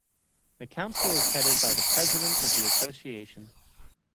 The Council is headed by the President of the Association.